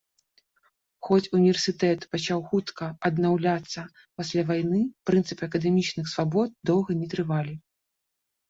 Хоць універсітэт пачаў хутка аднаўляцца пасля вайны, прынцыпы акадэмічных свабод доўга не трывалі.